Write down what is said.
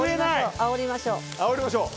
あおりましょう。